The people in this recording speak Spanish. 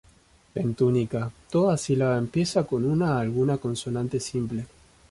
En tunica, toda sílaba empieza con una alguna consonante simple.